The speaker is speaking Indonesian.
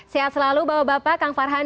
sehat selalu bapak bapak kang farhan